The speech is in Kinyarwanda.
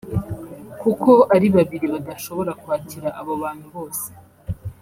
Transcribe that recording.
kuko ari babiri badashobora kwakira abo bantu bose